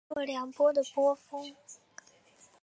若两波的波峰。